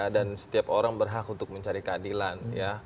dan setiap orang berhak untuk mencari keadilan